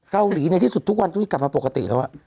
เกาหลีในที่สุดทุกวันตุ้ยกลับมาปกติแล้ว